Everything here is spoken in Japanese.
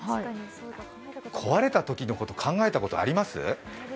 壊れたときのこと考えたことあります？